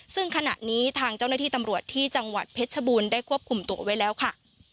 ซึ่งขณะนี้ทางเจ้าหน้าที่ตำรวจที่จังหวัดเพชรชบูรณ์ได้ควบคุมตัวไว้แล้วค่ะ